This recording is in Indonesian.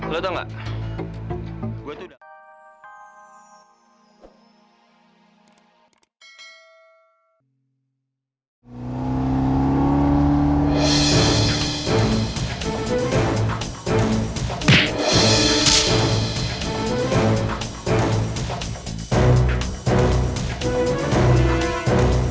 lo tau gak